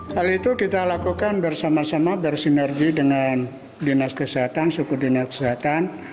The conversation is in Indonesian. hal itu kita lakukan bersama sama bersinergi dengan dinas kesehatan suku dinas kesehatan